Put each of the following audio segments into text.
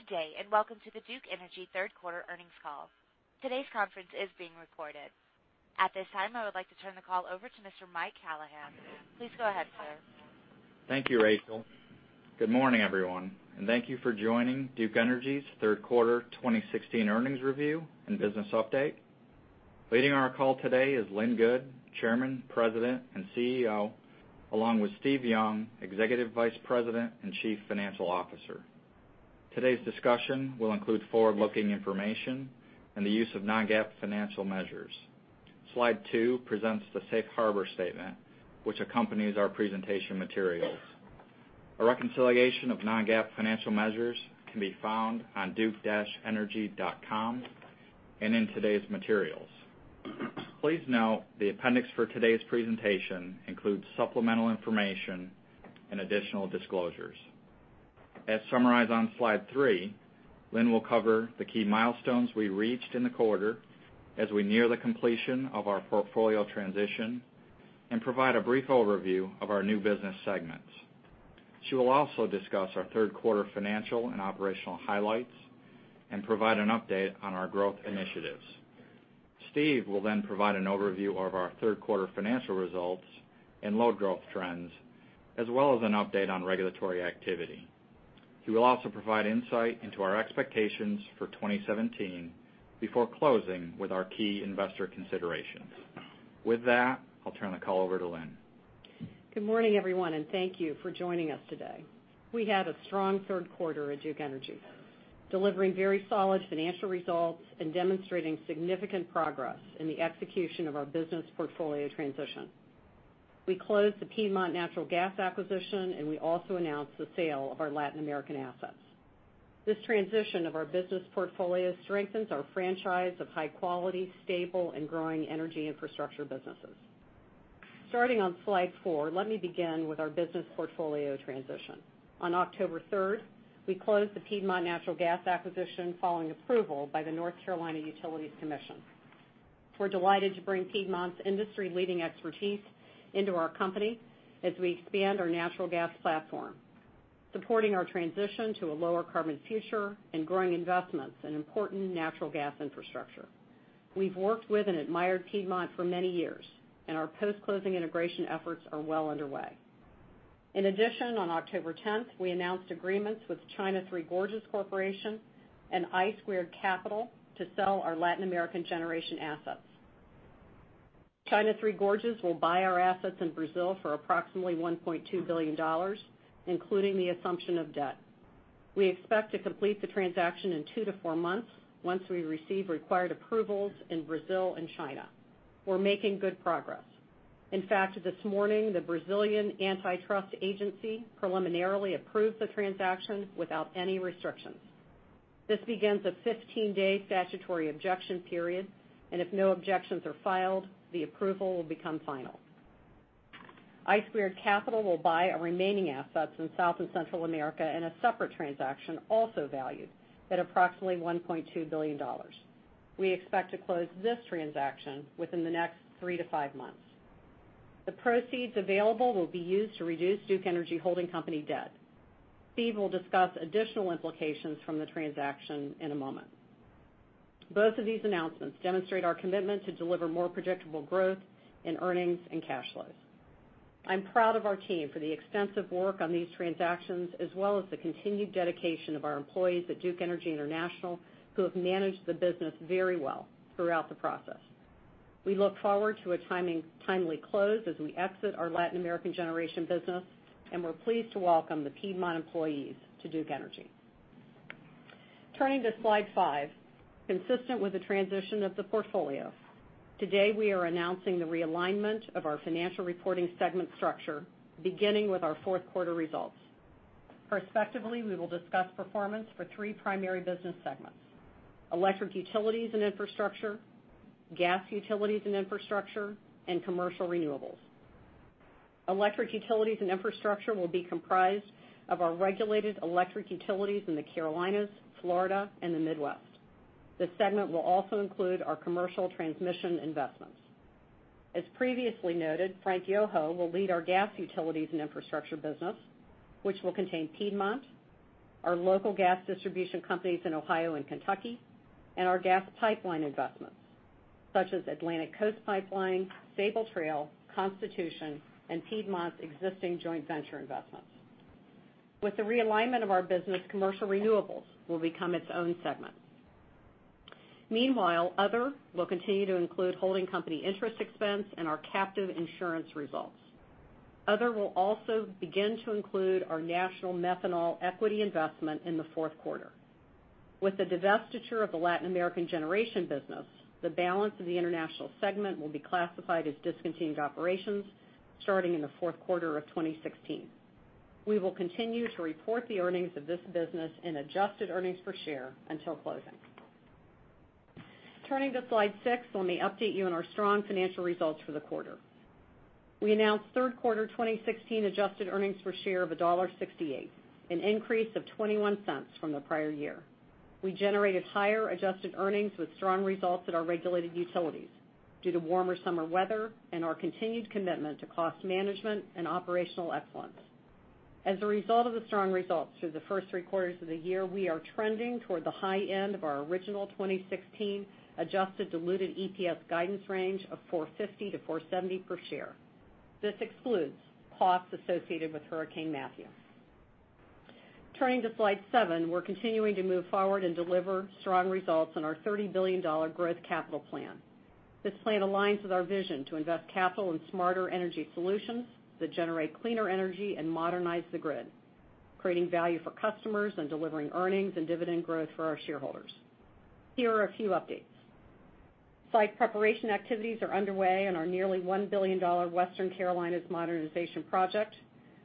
Good day, welcome to the Duke Energy third quarter earnings call. Today's conference is being recorded. At this time, I would like to turn the call over to Mr. Mike Callahan. Please go ahead, sir. Thank you, Rachel. Good morning, everyone, thank you for joining Duke Energy's third quarter 2016 earnings review and business update. Leading our call today is Lynn Good, Chairman, President, and CEO, along with Steve Young, Executive Vice President and Chief Financial Officer. Today's discussion will include forward-looking information and the use of non-GAAP financial measures. Slide two presents the safe harbor statement, which accompanies our presentation materials. A reconciliation of non-GAAP financial measures can be found on duke-energy.com and in today's materials. Please note the appendix for today's presentation includes supplemental information and additional disclosures. As summarized on slide three, Lynn will cover the key milestones we reached in the quarter as we near the completion of our portfolio transition and provide a brief overview of our new business segments. She will also discuss our third quarter financial and operational highlights and provide an update on our growth initiatives. Steve will then provide an overview of our third quarter financial results and load growth trends, as well as an update on regulatory activity. He will also provide insight into our expectations for 2017 before closing with our key investor considerations. With that, I'll turn the call over to Lynn. Good morning, everyone, thank you for joining us today. We had a strong third quarter at Duke Energy, delivering very solid financial results and demonstrating significant progress in the execution of our business portfolio transition. We closed the Piedmont Natural Gas acquisition, we also announced the sale of our Latin American assets. This transition of our business portfolio strengthens our franchise of high-quality, stable, and growing energy infrastructure businesses. Starting on slide four, let me begin with our business portfolio transition. On October 3rd, we closed the Piedmont Natural Gas acquisition following approval by the North Carolina Utilities Commission. We're delighted to bring Piedmont's industry-leading expertise into our company as we expand our natural gas platform, supporting our transition to a lower carbon future and growing investments in important natural gas infrastructure. We've worked with and admired Piedmont for many years, and our post-closing integration efforts are well underway. In addition, on October 10th, we announced agreements with China Three Gorges Corporation and I Squared Capital to sell our Latin American generation assets. China Three Gorges will buy our assets in Brazil for approximately $1.2 billion, including the assumption of debt. We expect to complete the transaction in two to four months, once we receive required approvals in Brazil and China. We're making good progress. In fact, this morning, the Brazilian Antitrust Agency preliminarily approved the transaction without any restrictions. This begins a 15-day statutory objection period, and if no objections are filed, the approval will become final. I Squared Capital will buy our remaining assets in South and Central America in a separate transaction, also valued at approximately $1.2 billion. We expect to close this transaction within the next three to five months. The proceeds available will be used to reduce Duke Energy holding company debt. Steve will discuss additional implications from the transaction in a moment. Both of these announcements demonstrate our commitment to deliver more predictable growth in earnings and cash flows. I'm proud of our team for the extensive work on these transactions, as well as the continued dedication of our employees at Duke Energy International, who have managed the business very well throughout the process. We look forward to a timely close as we exit our Latin American generation business, and we're pleased to welcome the Piedmont employees to Duke Energy. Turning to slide five. Consistent with the transition of the portfolio, today we are announcing the realignment of our financial reporting segment structure, beginning with our fourth quarter results. Prospectively, we will discuss performance for three primary business segments: electric utilities and infrastructure, gas utilities and infrastructure, and commercial renewables. Electric utilities and infrastructure will be comprised of our regulated electric utilities in the Carolinas, Florida, and the Midwest. This segment will also include our commercial transmission investments. As previously noted, Frank Yoho will lead our gas utilities and infrastructure business, which will contain Piedmont, our local gas distribution companies in Ohio and Kentucky, and our gas pipeline investments, such as Atlantic Coast Pipeline, Sabal Trail, Constitution, and Piedmont's existing joint venture investments. With the realignment of our business, commercial renewables will become its own segment. Meanwhile, other will continue to include holding company interest expense and our captive insurance results. Other will also begin to include our National Methanol equity investment in the fourth quarter. With the divestiture of the Latin American generation business, the balance of the international segment will be classified as discontinued operations starting in the fourth quarter of 2016. We will continue to report the earnings of this business in adjusted earnings per share until closing. Turning to slide six, let me update you on our strong financial results for the quarter. We announced third quarter 2016 adjusted earnings per share of $1.68, an increase of $0.21 from the prior year. We generated higher adjusted earnings with strong results at our regulated utilities due to warmer summer weather and our continued commitment to cost management and operational excellence. As a result of the strong results through the first three quarters of the year, we are trending toward the high end of our original 2016 adjusted diluted EPS guidance range of $4.50 to $4.70 per share. This excludes costs associated with Hurricane Matthew. Turning to slide seven, we're continuing to move forward and deliver strong results on our $30 billion growth capital plan. This plan aligns with our vision to invest capital in smarter energy solutions that generate cleaner energy and modernize the grid, creating value for customers, and delivering earnings and dividend growth for our shareholders. Here are a few updates. Site preparation activities are underway on our nearly $1 billion Western Carolinas Modernization Project,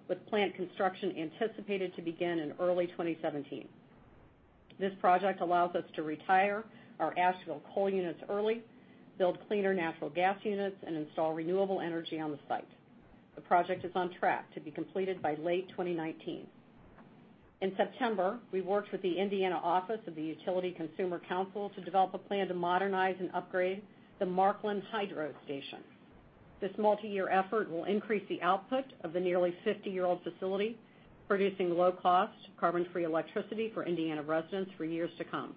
with plant construction anticipated to begin in early 2017. This project allows us to retire our Asheville coal units early, build cleaner natural gas units, and install renewable energy on the site. The project is on track to be completed by late 2019. In September, we worked with the Indiana Office of Utility Consumer Counselor to develop a plan to modernize and upgrade the Markland Hydro Station. This multi-year effort will increase the output of the nearly 50-year-old facility, producing low-cost, carbon-free electricity for Indiana residents for years to come.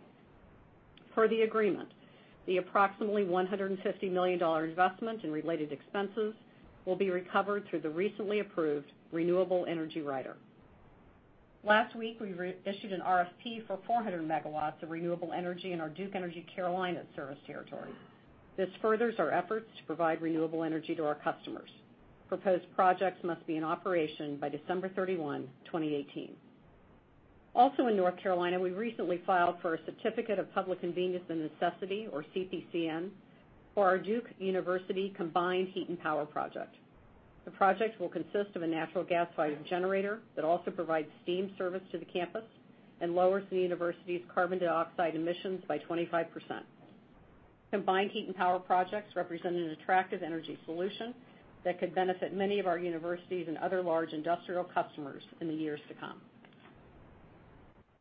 Per the agreement, the approximately $150 million investment in related expenses will be recovered through the recently approved renewable energy rider. Last week, we issued an RFP for 400 megawatts of renewable energy in our Duke Energy Carolinas service territory. This furthers our efforts to provide renewable energy to our customers. Proposed projects must be in operation by December 31, 2018. Also in North Carolina, we recently filed for a Certificate of Public Convenience and Necessity, or CPCN, for our Duke University combined heat and power project. The project will consist of a natural gas-fired generator that also provides steam service to the campus and lowers the university's carbon dioxide emissions by 25%. Combined heat and power projects represent an attractive energy solution that could benefit many of our universities and other large industrial customers in the years to come.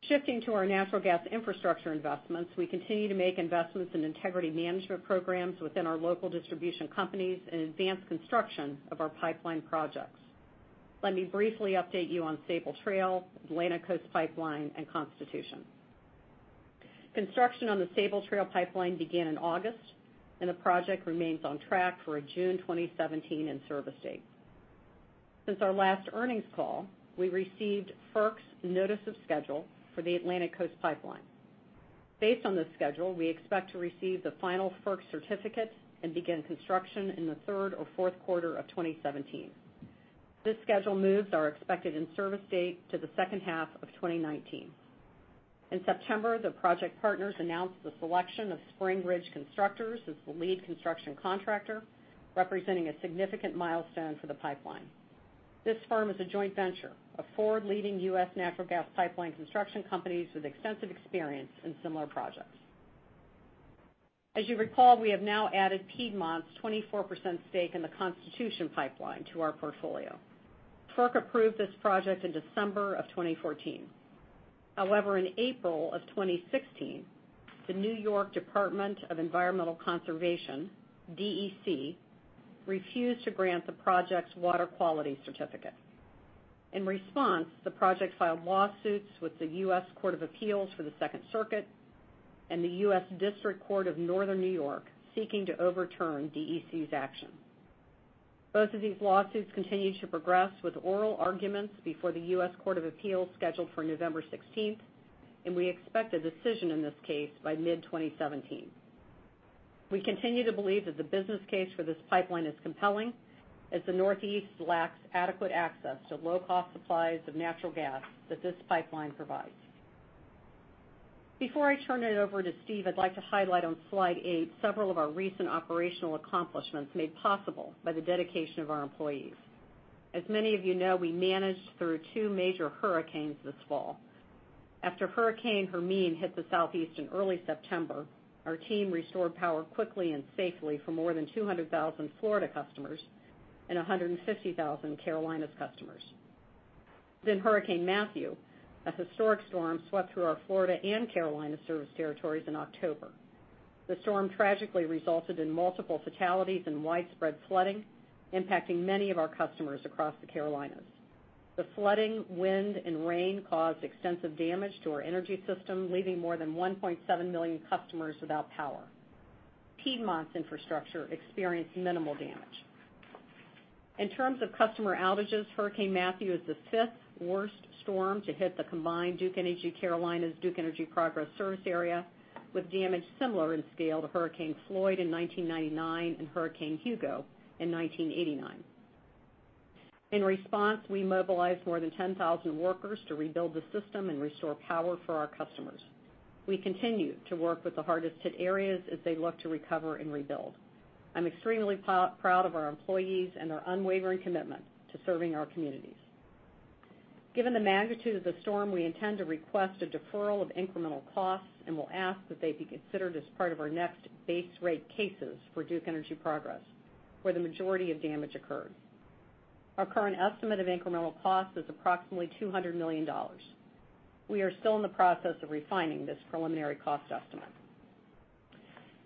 Shifting to our natural gas infrastructure investments, we continue to make investments in integrity management programs within our local distribution companies and advance construction of our pipeline projects. Let me briefly update you on Sabal Trail, Atlantic Coast Pipeline, and Constitution. Construction on the Sabal Trail pipeline began in August, and the project remains on track for a June 2017 in-service date. Since our last earnings call, we received FERC's notice of schedule for the Atlantic Coast Pipeline. Based on this schedule, we expect to receive the final FERC certificate and begin construction in the third or fourth quarter of 2017. This schedule moves our expected in-service date to the second half of 2019. In September, the project partners announced the selection of Spring Ridge Constructors as the lead construction contractor, representing a significant milestone for the pipeline. This firm is a joint venture of four leading U.S. natural gas pipeline construction companies with extensive experience in similar projects. As you recall, we have now added Piedmont's 24% stake in the Constitution Pipeline to our portfolio. FERC approved this project in December of 2014. However, in April of 2016, the New York State Department of Environmental Conservation, DEC, refused to grant the project's water quality certificate. In response, the project filed lawsuits with the United States Court of Appeals for the Second Circuit and the United States District Court for the Northern District of New York seeking to overturn DEC's action. Both of these lawsuits continue to progress with oral arguments before the United States Court of Appeals scheduled for November 16th, and we expect a decision in this case by mid-2017. We continue to believe that the business case for this pipeline is compelling as the Northeast lacks adequate access to low-cost supplies of natural gas that this pipeline provides. Before I turn it over to Steve, I'd like to highlight on slide eight several of our recent operational accomplishments made possible by the dedication of our employees. As many of you know, we managed through two major hurricanes this fall. After Hurricane Hermine hit the Southeast in early September, our team restored power quickly and safely for more than 200,000 Florida customers and 150,000 Carolinas customers. Hurricane Matthew, a historic storm, swept through our Florida and Carolina service territories in October. The storm tragically resulted in multiple fatalities and widespread flooding, impacting many of our customers across the Carolinas. The flooding, wind, and rain caused extensive damage to our energy system, leaving more than 1.7 million customers without power. Piedmont's infrastructure experienced minimal damage. In terms of customer outages, Hurricane Matthew is the fifth-worst storm to hit the combined Duke Energy Carolinas, Duke Energy Progress service area, with damage similar in scale to Hurricane Floyd in 1999 and Hurricane Hugo in 1989. In response, we mobilized more than 10,000 workers to rebuild the system and restore power for our customers. We continue to work with the hardest-hit areas as they look to recover and rebuild. I'm extremely proud of our employees and their unwavering commitment to serving our communities. Given the magnitude of the storm, we intend to request a deferral of incremental costs and will ask that they be considered as part of our next base rate cases for Duke Energy Progress, where the majority of damage occurred. Our current estimate of incremental cost is approximately $200 million. We are still in the process of refining this preliminary cost estimate.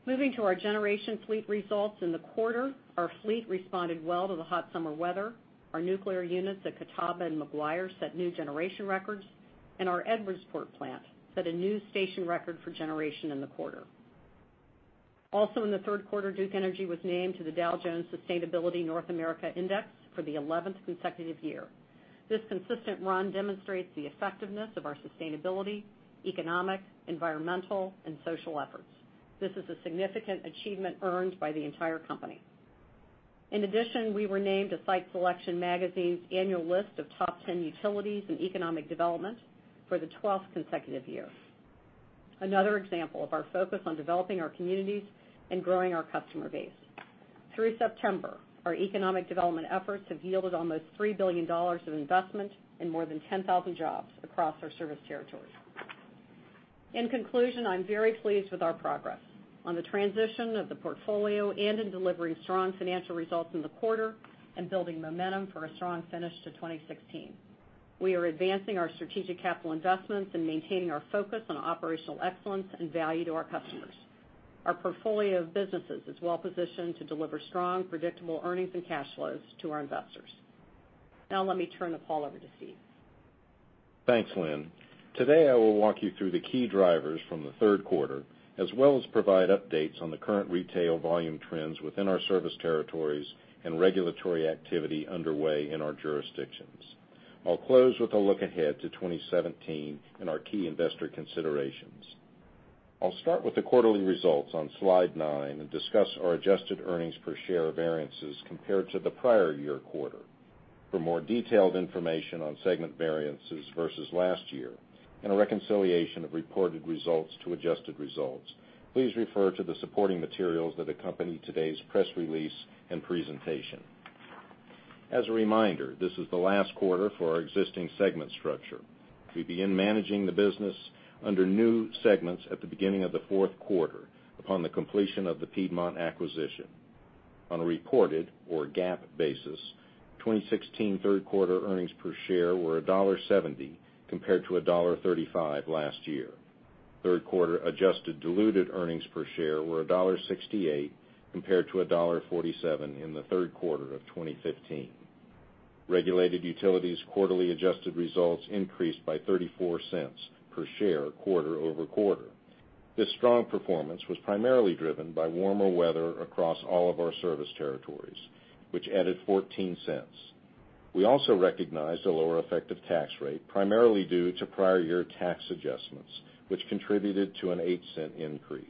Moving to our generation fleet results in the quarter, our fleet responded well to the hot summer weather. Our nuclear units at Catawba and McGuire set new generation records, and our Edwardsport plant set a new station record for generation in the quarter. Also in the third quarter, Duke Energy was named to the Dow Jones Sustainability Index North America for the 11th consecutive year. This consistent run demonstrates the effectiveness of our sustainability, economic, environmental, and social efforts. This is a significant achievement earned by the entire company. In addition, we were named a Site Selection magazine's annual list of top 10 utilities in economic development for the 12th consecutive year. Another example of our focus on developing our communities and growing our customer base. Through September, our economic development efforts have yielded almost $3 billion of investment and more than 10,000 jobs across our service territories. In conclusion, I'm very pleased with our progress on the transition of the portfolio and in delivering strong financial results in the quarter and building momentum for a strong finish to 2016. We are advancing our strategic capital investments and maintaining our focus on operational excellence and value to our customers. Our portfolio of businesses is well positioned to deliver strong, predictable earnings and cash flows to our investors. Now, let me turn the call over to Steve. Thanks, Lynn. Today, I will walk you through the key drivers from the third quarter, as well as provide updates on the current retail volume trends within our service territories and regulatory activity underway in our jurisdictions. I will close with a look ahead to 2017 and our key investor considerations. I will start with the quarterly results on slide nine and discuss our adjusted earnings per share variances compared to the prior year quarter. For more detailed information on segment variances versus last year and a reconciliation of reported results to adjusted results, please refer to the supporting materials that accompany today's press release and presentation. As a reminder, this is the last quarter for our existing segment structure. We begin managing the business under new segments at the beginning of the fourth quarter upon the completion of the Piedmont acquisition. On a reported or GAAP basis, 2016 third quarter earnings per share were $1.70 compared to $1.35 last year. Third quarter adjusted diluted earnings per share were $1.68 compared to $1.47 in the third quarter of 2015. Regulated utilities' quarterly adjusted results increased by $0.34 per share quarter-over-quarter. This strong performance was primarily driven by warmer weather across all of our service territories, which added $0.14. We also recognized a lower effective tax rate, primarily due to prior year tax adjustments, which contributed to an $0.08 increase.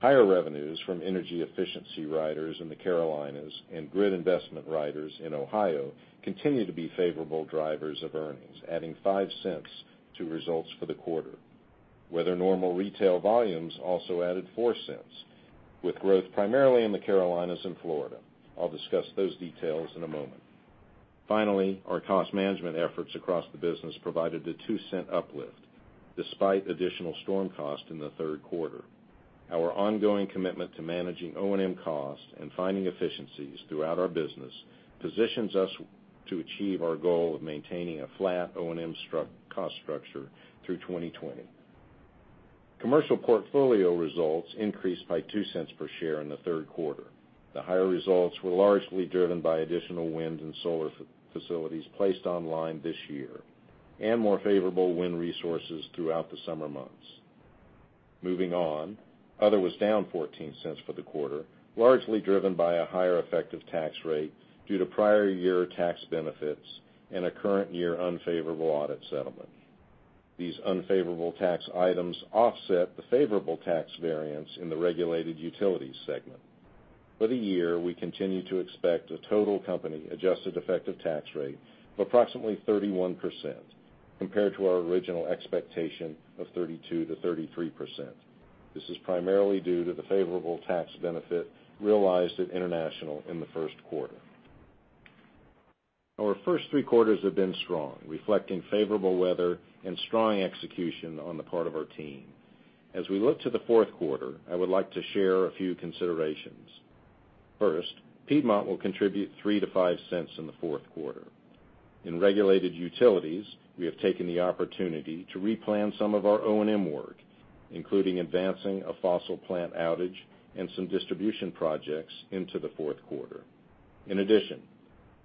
Higher revenues from energy efficiency riders in the Carolinas and grid investment riders in Ohio continue to be favorable drivers of earnings, adding $0.05 to results for the quarter. Weather-normal retail volumes also added $0.04, with growth primarily in the Carolinas and Florida. I will discuss those details in a moment. Our cost management efforts across the business provided a $0.02 uplift despite additional storm cost in the third quarter. Our ongoing commitment to managing O&M cost and finding efficiencies throughout our business positions us to achieve our goal of maintaining a flat O&M cost structure through 2020. Commercial portfolio results increased by $0.02 per share in the third quarter. The higher results were largely driven by additional wind and solar facilities placed online this year and more favorable wind resources throughout the summer months. Other was down $0.14 for the quarter, largely driven by a higher effective tax rate due to prior year tax benefits and a current year unfavorable audit settlement. These unfavorable tax items offset the favorable tax variance in the regulated utilities segment. For the year, we continue to expect a total company-adjusted effective tax rate of approximately 31%, compared to our original expectation of 32%-33%. This is primarily due to the favorable tax benefit realized at International in the first quarter. Our first three quarters have been strong, reflecting favorable weather and strong execution on the part of our team. As we look to the fourth quarter, I would like to share a few considerations. Piedmont will contribute $0.03-$0.05 in the fourth quarter. In regulated utilities, we have taken the opportunity to replan some of our O&M work, including advancing a fossil plant outage and some distribution projects into the fourth quarter.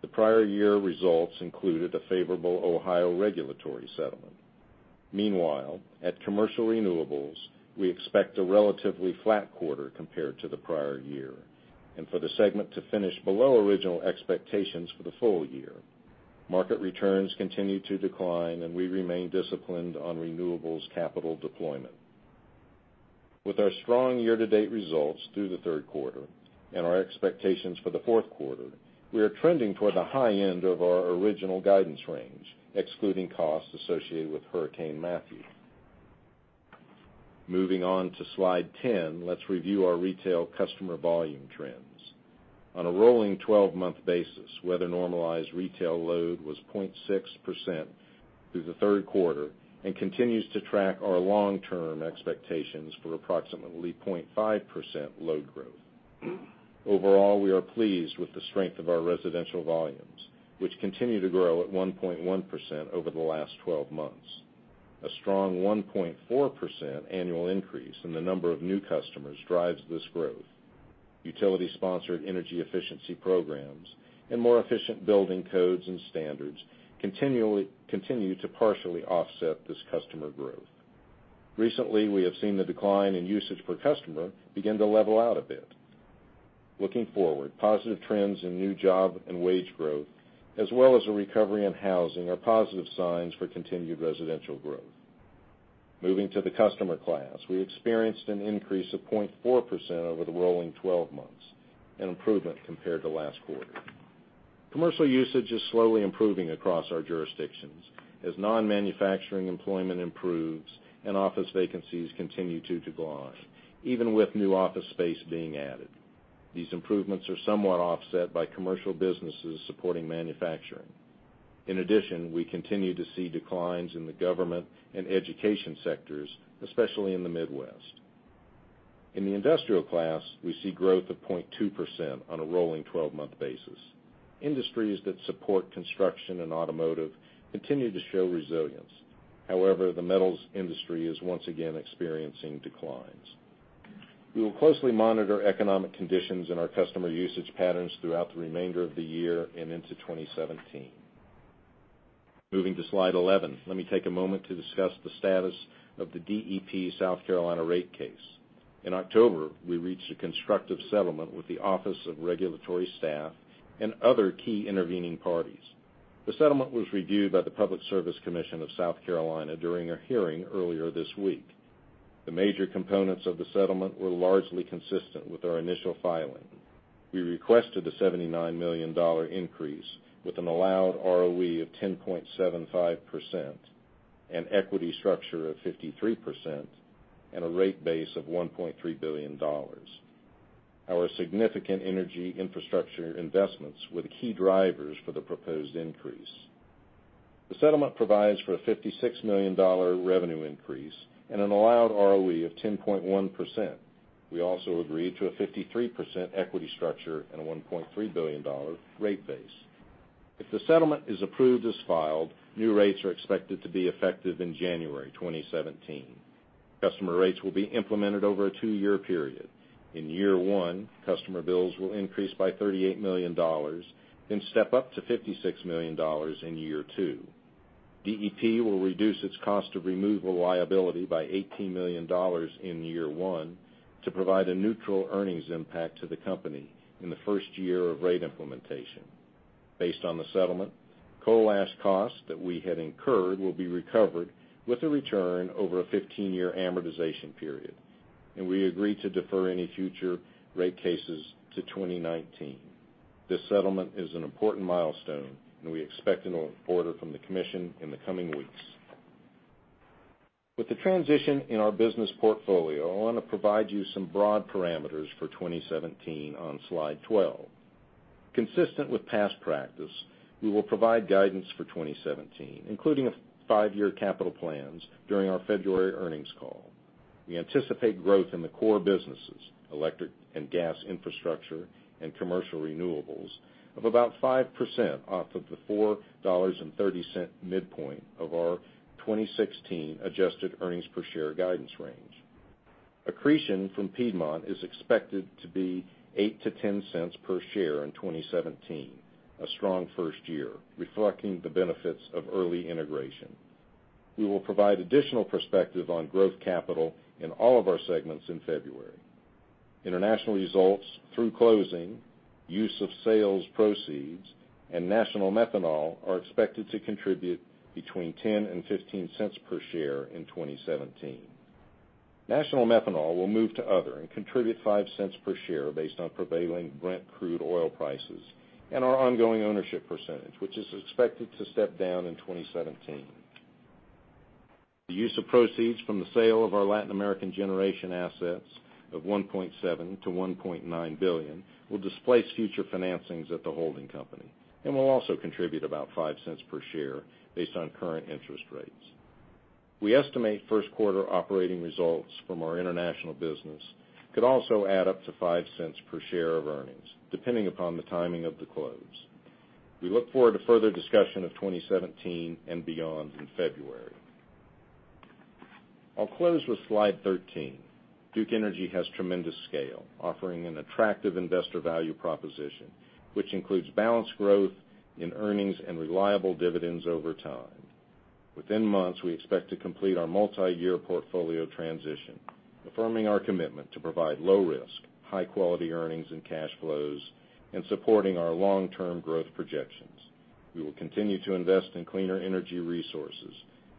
The prior year results included a favorable Ohio regulatory settlement. Meanwhile, at Commercial Renewables, we expect a relatively flat quarter compared to the prior year and for the segment to finish below original expectations for the full year. Market returns continue to decline, we remain disciplined on renewables capital deployment. With our strong year-to-date results through the third quarter and our expectations for the fourth quarter, we are trending toward the high end of our original guidance range, excluding costs associated with Hurricane Matthew. Moving on to slide 10, let's review our retail customer volume trends. On a rolling 12-month basis, weather-normalized retail load was 0.6% through the third quarter, continues to track our long-term expectations for approximately 0.5% load growth. Overall, we are pleased with the strength of our residential volumes, which continue to grow at 1.1% over the last 12 months. A strong 1.4% annual increase in the number of new customers drives this growth. Utility-sponsored energy efficiency programs and more efficient building codes and standards continue to partially offset this customer growth. Recently, we have seen the decline in usage per customer begin to level out a bit. Looking forward, positive trends in new job and wage growth, as well as a recovery in housing, are positive signs for continued residential growth. Moving to the customer class, we experienced an increase of 0.4% over the rolling 12 months, an improvement compared to last quarter. Commercial usage is slowly improving across our jurisdictions as non-manufacturing employment improves and office vacancies continue to decline, even with new office space being added. These improvements are somewhat offset by commercial businesses supporting manufacturing. In addition, we continue to see declines in the government and education sectors, especially in the Midwest. In the industrial class, we see growth of 0.2% on a rolling 12-month basis. Industries that support construction and automotive continue to show resilience. The metals industry is once again experiencing declines. We will closely monitor economic conditions and our customer usage patterns throughout the remainder of the year and into 2017. Moving to slide 11. Let me take a moment to discuss the status of the DEP South Carolina rate case. In October, we reached a constructive settlement with the Office of Regulatory Staff and other key intervening parties. The settlement was reviewed by the Public Service Commission of South Carolina during a hearing earlier this week. The major components of the settlement were largely consistent with our initial filing. We requested a $79 million increase with an allowed ROE of 10.75%, an equity structure of 53%, and a rate base of $1.3 billion. Our significant energy infrastructure investments were the key drivers for the proposed increase. The settlement provides for a $56 million revenue increase and an allowed ROE of 10.1%. We also agreed to a 53% equity structure and a $1.3 billion rate base. If the settlement is approved as filed, new rates are expected to be effective in January 2017. Customer rates will be implemented over a two-year period. In year one, customer bills will increase by $38 million, step up to $56 million in year two. DEP will reduce its cost-to-remove liability by $18 million in year one to provide a neutral earnings impact to the company in the first year of rate implementation. Based on the settlement, coal ash costs that we had incurred will be recovered with a return over a 15-year amortization period, we agreed to defer any future rate cases to 2019. This settlement is an important milestone, and we expect an order from the Commission in the coming weeks. With the transition in our business portfolio, I want to provide you some broad parameters for 2017 on slide 12. Consistent with past practice, we will provide guidance for 2017, including a five-year capital plans during our February earnings call. We anticipate growth in the core businesses, electric and gas infrastructure, and commercial renewables of about 5% off of the $4.30 midpoint of our 2016 adjusted earnings per share guidance range. Accretion from Piedmont is expected to be $0.08-$0.10 per share in 2017, a strong first year, reflecting the benefits of early integration. We will provide additional perspective on growth capital in all of our segments in February. International results through closing, use of sales proceeds, and National Methanol are expected to contribute between $0.10-$0.15 per share in 2017. National Methanol will move to other and contribute $0.05 per share based on prevailing Brent crude oil prices and our ongoing ownership percentage, which is expected to step down in 2017. The use of proceeds from the sale of our Latin American generation assets of $1.7 billion-$1.9 billion will displace future financings at the holding company and will also contribute about $0.05 per share based on current interest rates. We estimate first quarter operating results from our international business could also add up to $0.05 per share of earnings, depending upon the timing of the close. We look forward to further discussion of 2017 and beyond in February. I'll close with slide 13. Duke Energy has tremendous scale, offering an attractive investor value proposition, which includes balanced growth in earnings and reliable dividends over time. Within months, we expect to complete our multi-year portfolio transition, affirming our commitment to provide low risk, high-quality earnings and cash flows, and supporting our long-term growth projections. We will continue to invest in cleaner energy resources,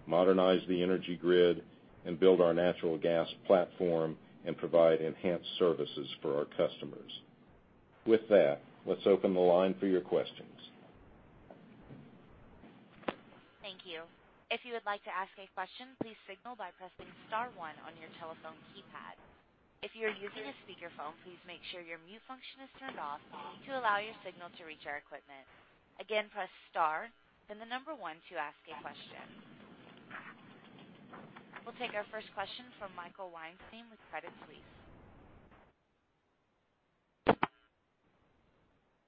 modernize the energy grid, and build our natural gas platform and provide enhanced services for our customers. With that, let's open the line for your questions. Thank you. If you would like to ask a question, please signal by pressing *1 on your telephone keypad. If you're using a speakerphone, please make sure your mute function is turned off to allow your signal to reach our equipment. Again, press star, then the number one to ask a question. We'll take our first question from Michael Weinstein with Credit Suisse.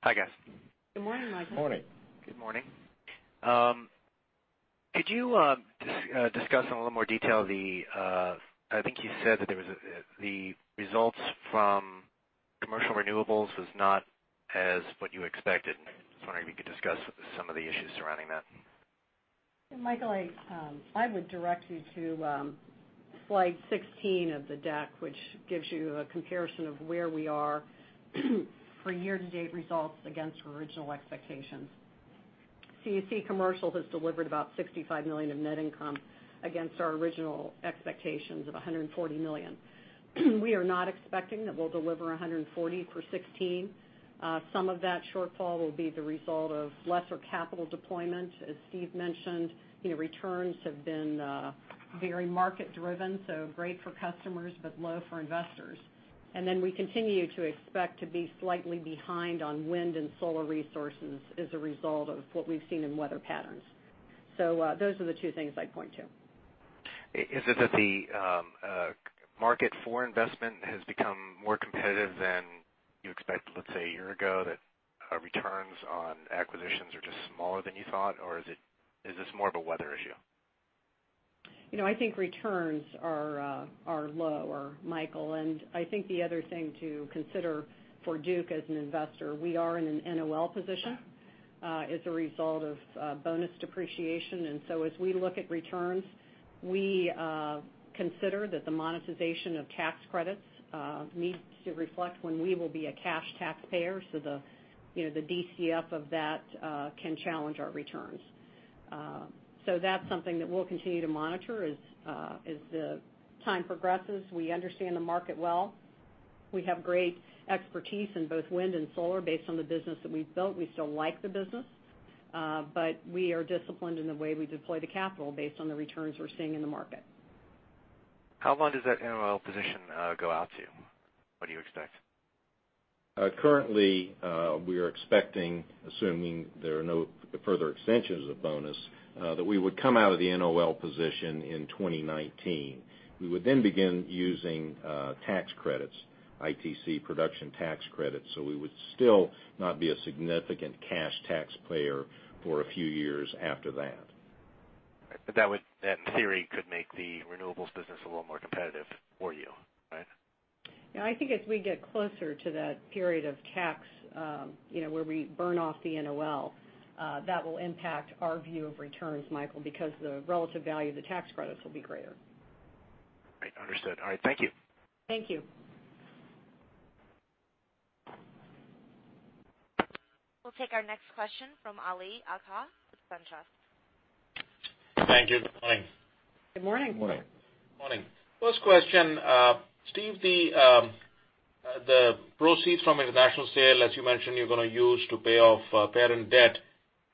Hi, guys. Good morning, Michael. Morning. Good morning. Could you discuss in a little more detail, I think you said that the results from commercial renewables is not as what you expected. Just wondering if you could discuss some of the issues surrounding that. Michael, I would direct you to slide 16 of the deck, which gives you a comparison of where we are for year-to-date results against original expectations. CEC commercial has delivered about $65 million of net income against our original expectations of $140 million. We are not expecting that we'll deliver $140 for 2016. Some of that shortfall will be the result of lesser capital deployment. As Steve mentioned, returns have been very market-driven, so great for customers, but low for investors. We continue to expect to be slightly behind on wind and solar resources as a result of what we've seen in weather patterns. Those are the two things I'd point to. Is it that the market for investment has become more competitive than you expected, let's say a year ago, that returns on acquisitions are just smaller than you thought? Or is this more of a weather issue? I think returns are lower, Michael. I think the other thing to consider for Duke as an investor, we are in an NOL position as a result of bonus depreciation. As we look at returns, we consider that the monetization of tax credits needs to reflect when we will be a cash taxpayer, the DCF of that can challenge our returns. That's something that we'll continue to monitor as time progresses. We understand the market well. We have great expertise in both wind and solar based on the business that we've built. We still like the business, but we are disciplined in the way we deploy the capital based on the returns we're seeing in the market. How long does that NOL position go out to? What do you expect? Currently, we are expecting, assuming there are no further extensions of bonus, that we would come out of the NOL position in 2019. We would then begin using tax credits, ITC production tax credits, we would still not be a significant cash taxpayer for a few years after that. That, in theory, could make the renewables business a little more competitive for you, right? Yeah, I think as we get closer to that period of tax where we burn off the NOL, that will impact our view of returns, Michael, because the relative value of the tax credits will be greater. Right. Understood. All right. Thank you. Thank you. We'll take our next question from Ali Agha with SunTrust. Thank you. Good morning. Good morning. Morning. Morning. First question. Steve, the proceeds from international sale, as you mentioned, you're going to use to pay off parent debt.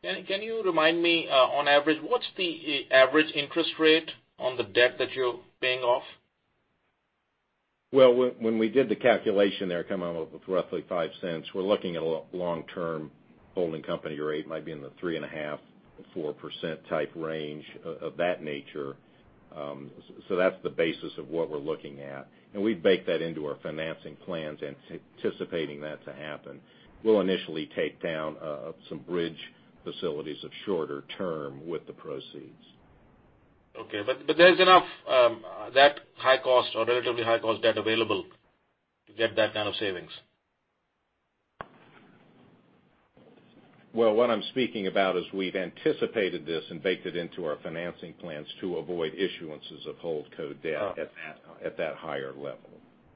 Can you remind me, on average, what's the average interest rate on the debt that you're paying off? Well, when we did the calculation there, it came out roughly $0.05. We're looking at a long-term holding company rate, might be in the 3.5%-4% type range, of that nature. That's the basis of what we're looking at. We've baked that into our financing plans, anticipating that to happen. We'll initially take down some bridge facilities of shorter term with the proceeds. Okay. There's enough of that relatively high-cost debt available to get that kind of savings? Well, what I'm speaking about is we've anticipated this and baked it into our financing plans to avoid issuances of holdco debt at that higher level.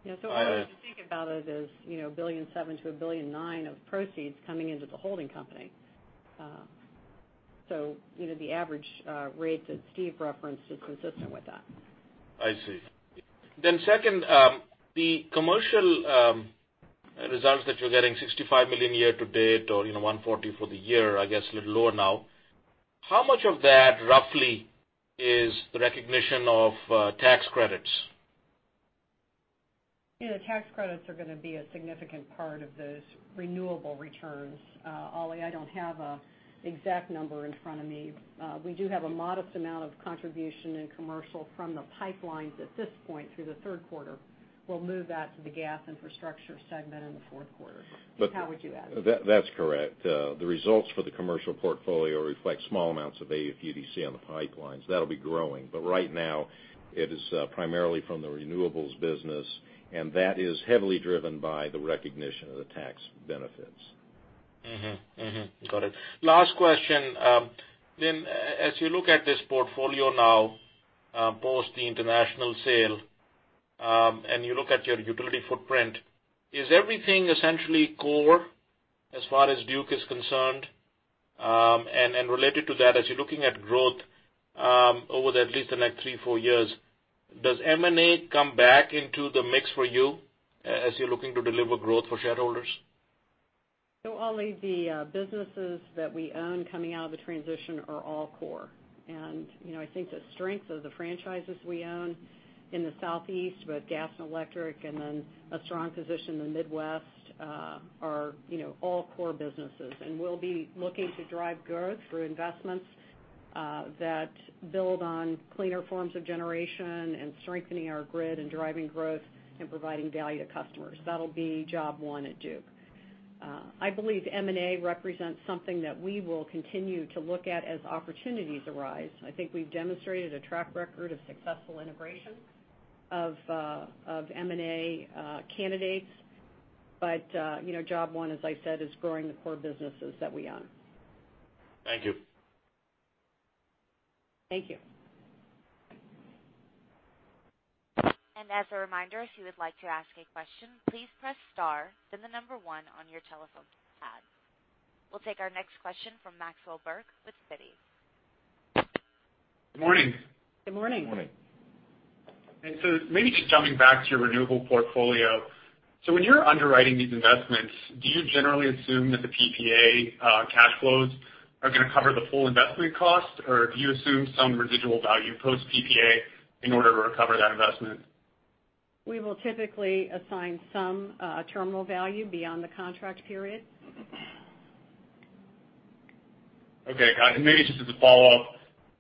Yeah. I would think about it as $1.7 billion to $1.9 billion of proceeds coming into the holding company. The average rate that Steve referenced is consistent with that. I see. Second, the commercial results that you're getting, $65 million year to date or $140 for the year, I guess a little lower now. How much of that, roughly, is the recognition of tax credits? The tax credits are going to be a significant part of those renewable returns. Ali, I don't have an exact number in front of me. We do have a modest amount of contribution in commercial from the pipelines at this point through the third quarter. We'll move that to the Gas Infrastructure segment in the fourth quarter. Steve, how would you add? That's correct. The results for the commercial portfolio reflect small amounts of AFUDC on the pipelines. That'll be growing. Right now, it is primarily from the renewables business, and that is heavily driven by the recognition of the tax benefits. Mm-hmm. Got it. Last question. As you look at this portfolio now, post the international sale, and you look at your utility footprint, is everything essentially core as far as Duke is concerned? Related to that, as you're looking at growth over at least the next three, four years, does M&A come back into the mix for you as you're looking to deliver growth for shareholders? Ali, the businesses that we own coming out of the transition are all core. I think the strength of the franchises we own in the Southeast, both gas and electric, and then a strong position in the Midwest, are all core businesses. We'll be looking to drive growth through investments that build on cleaner forms of generation and strengthening our grid, and driving growth and providing value to customers. That'll be job one at Duke. I believe M&A represents something that we will continue to look at as opportunities arise. I think we've demonstrated a track record of successful integration of M&A candidates, but job one, as I said, is growing the core businesses that we own. Thank you. Thank you. As a reminder, if you would like to ask a question, please press star, then the number 1 on your telephone pad. We'll take our next question from Maxwell Burke with Citi. Good morning. Good morning. Good morning. Maybe just jumping back to your renewable portfolio. When you're underwriting these investments, do you generally assume that the PPA cash flows are gonna cover the full investment cost, or do you assume some residual value post-PPA in order to recover that investment? We will typically assign some terminal value beyond the contract period. Okay, got it. Maybe just as a follow-up,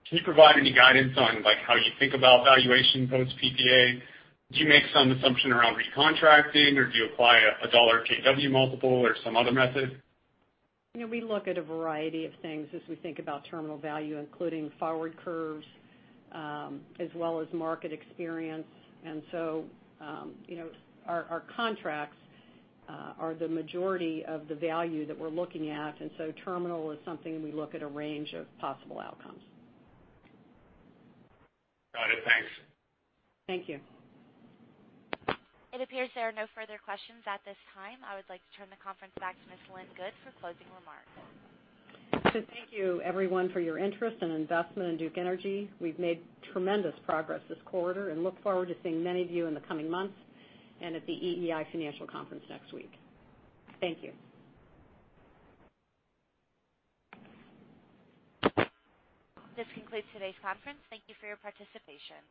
can you provide any guidance on how you think about valuation post-PPA? Do you make some assumption around recontracting, or do you apply a dollar kW multiple or some other method? We look at a variety of things as we think about terminal value, including forward curves, as well as market experience. Our contracts are the majority of the value that we're looking at, and so terminal is something we look at a range of possible outcomes. Got it. Thanks. Thank you. It appears there are no further questions at this time. I would like to turn the conference back to Ms. Lynn Good for closing remarks. Thank you everyone for your interest and investment in Duke Energy. We've made tremendous progress this quarter and look forward to seeing many of you in the coming months, and at the EEI Financial Conference next week. Thank you. This concludes today's conference. Thank you for your participation.